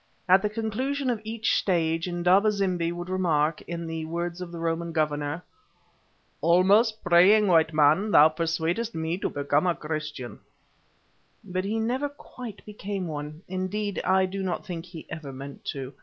At the conclusion of each stage Indaba zimbi would remark, in the words of the Roman Governor, "Almost, praying white man, thou persuadest me to become a Christian," but he never quite became one—indeed, I do not think he ever meant to.